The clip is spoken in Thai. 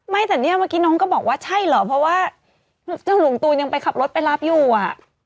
แต่เนี่ยเมื่อกี้น้องก็บอกว่าใช่เหรอเพราะว่าเจ้าหลวงตูนยังไปขับรถไปรับอยู่อ่ะ